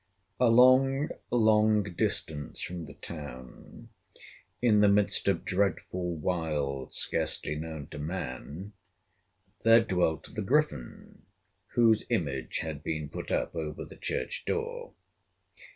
A long, long distance from the town, in the midst of dreadful wilds scarcely known to man, there dwelt the Griffin whose image had been put up over the church door.